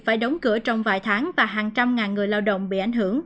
phải đóng cửa trong vài tháng và hàng trăm ngàn người lao động bị ảnh hưởng